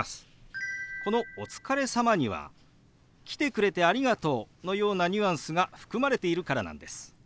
この「お疲れ様」には「来てくれてありがとう」のようなニュアンスが含まれているからなんです。